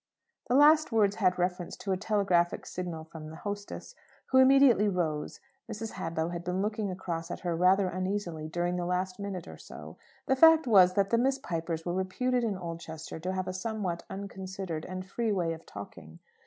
The last words had reference to a telegraphic signal from the hostess, who immediately rose. Mrs. Hadlow had been looking across at her rather uneasily during the last minute or so. The fact was that the Miss Pipers were reputed in Oldchester to have a somewhat unconsidered and free way of talking.